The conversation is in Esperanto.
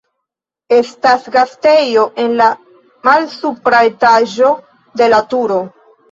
Estas gastejo en la malsupra etaĝo de la turo.